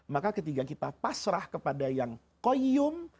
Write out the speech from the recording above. maka ketika kita pasrah kepada yang koyyum